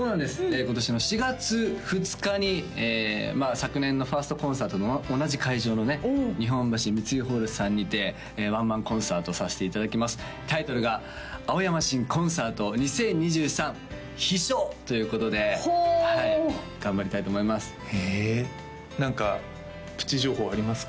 今年の４月２日に昨年のファーストコンサートと同じ会場のね日本橋三井ホールさんにてワンマンコンサートさせていただきますタイトルがということではい頑張りたいと思いますへえ何かプチ情報ありますか？